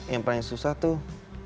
yang paling susah tuh